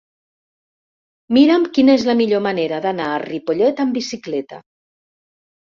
Mira'm quina és la millor manera d'anar a Ripollet amb bicicleta.